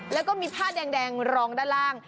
แล้วก็มีผ้าแดงรองด้านล่าง